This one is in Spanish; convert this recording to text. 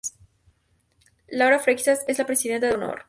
Laura Freixas es la Presidenta de Honor.